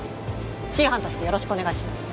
Ｃ班としてよろしくお願いします。